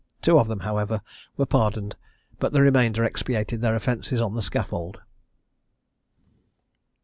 Two of them, however, were pardoned, but the remainder expiated their offences on the scaffold.